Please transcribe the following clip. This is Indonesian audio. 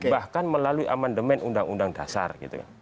bahkan melalui amandemen undang undang dasar